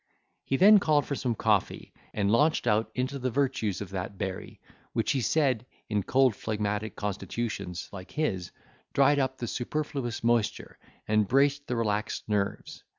He then called for some coffee, and launched out into the virtues of that berry, which, he said, in cold phlegmatic constitutions, like his, dried up the superfluous moisture, and braced the relaxed nerves.